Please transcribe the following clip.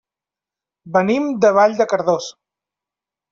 Venim de Vall de Cardós.